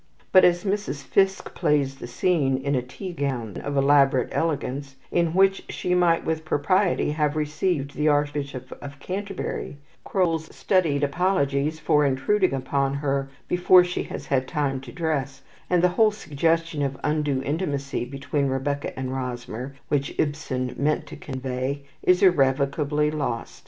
But as Mrs. Fiske plays the scene in a tea gown of elaborate elegance, in which she might with propriety have received the Archbishop of Canterbury, Kroll's studied apologies for intruding upon her before she has had time to dress, and the whole suggestion of undue intimacy between Rebecca and Rosmer, which Ibsen meant to convey, is irrevocably lost.